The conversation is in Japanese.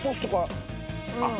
あっ。